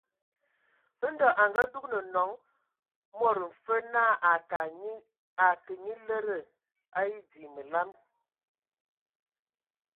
Ndɔ a adugan nɔŋ mod mfe naa a ke nye lədə a edzii məlam.